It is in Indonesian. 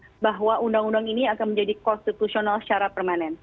kita bahwa undang undang ini akan menjadi konstitusional secara permanen